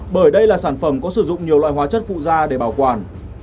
bởi đây là sản phẩm có sử dụng nhiều loại hóa chất phụ da để bảo quản